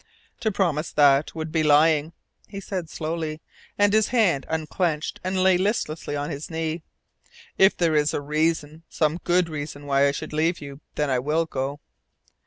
"To promise that would be lying," he said slowly, and his hand unclenched and lay listlessly on his knee. "If there is a reason some good reason why I should leave you then I will go."